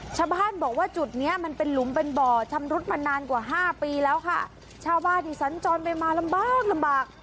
ชาวบ้านบอกว่าจุดเนี้ยมันเป็นหลุมเป็นบ่อชำรุดมานานกว่าห้าปีแล้วค่ะชาวบ้านที่สัญจรไปมาลำบากลำบาก